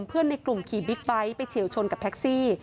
ในกลุ่มขี่บิ๊กไบท์ไปเฉียวชนกับแท็กซี่